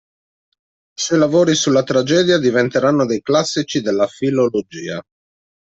I suoi lavori sulla tragedia diventeranno dei classici della filologia.